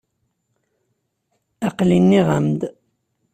Aqli nniɣ-am-d.